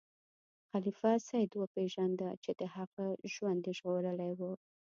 خلیفه سید وپیژنده چې د هغه ژوند یې ژغورلی و.